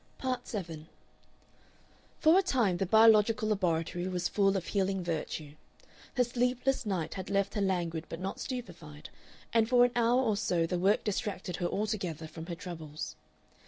Part 7 For a time the biological laboratory was full of healing virtue. Her sleepless night had left her languid but not stupefied, and for an hour or so the work distracted her altogether from her troubles.